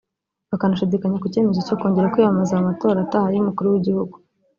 bakanashidikanya ku cyemezo cyo kongera kwiyamamaza mu matora ataha y’Umukuru w’Igihugu